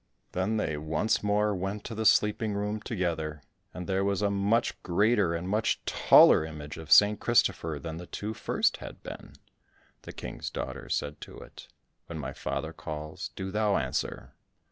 Then they once more went to the sleeping room together, and there was a much greater and much taller image of St. Christopher than the two first had been. The King's daughter said to it, "When my father calls, do thou answer."